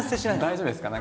大丈夫ですか？